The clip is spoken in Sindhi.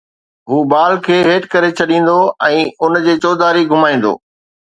هو بال کي هيٺ ڪري ڇڏيندو ۽ ان جي چوڌاري گھمائيندو